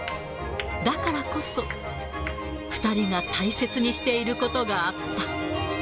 だからこそ、２人が大切にしていることがあった。